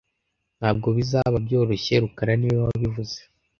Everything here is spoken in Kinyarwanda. Ntabwo bizaba byoroshye rukara niwe wabivuze